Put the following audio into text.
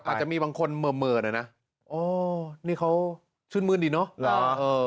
อาจจะมีบางคนเหมือนเลยนะอ๋อนี่เขาชื่นมือดีเนอะหรอเออ